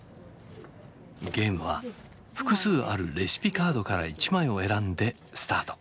ゲームは複数あるレシピカードから１枚を選んでスタート。